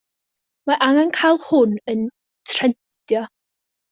Mae angen cael hwn yn trendio.